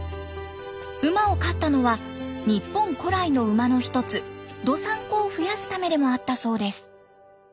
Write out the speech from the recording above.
馬を飼ったのは日本古来の馬の一つ道産子を増やすためでもあったそうです。